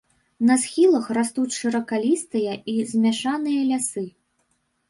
На схілах растуць шыракалістыя і змяшаныя лясы.